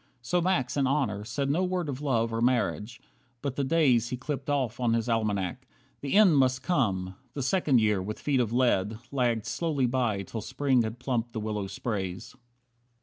So Max, in honour, said No word of love or marriage; but the days He clipped off on his almanac. The end Must come! The second year, with feet of lead, Lagged slowly by till Spring had plumped the willow sprays.